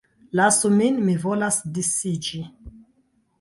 Lasu min, mi volas disiĝi!